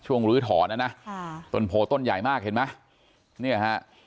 ลื้อถอนนะนะค่ะต้นโพต้นใหญ่มากเห็นไหมเนี่ยฮะ